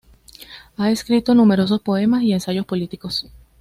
Ha escrito numerosos poemas y ensayos políticos.